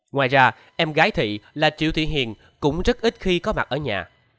ngoài ra em gái thị là triệu thị hiền cũng rất ít khi có mặt ở nhà